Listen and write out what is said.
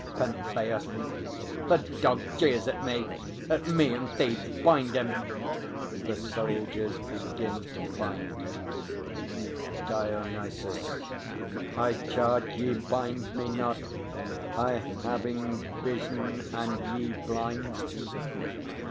PENTHEUS. The dog jeers at me! At me and Thebes! Bind him! [The soldiers begin to bind him. DIONYSUS. I charge ye, bind Me not! I having vision and ye blind!